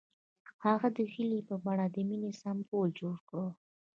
هغه د هیلې په بڼه د مینې سمبول جوړ کړ.